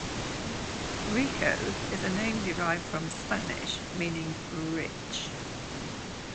Rico is a name derived from Spanish meaning "rich".